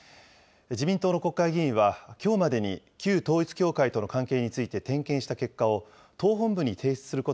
自民党の国会議員はきょうまでに旧統一教会との関係について点検した結果を、党本部に提出するこ